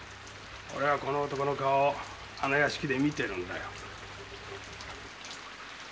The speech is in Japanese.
俺はこの男の顔をあの屋敷で見てるんだよ。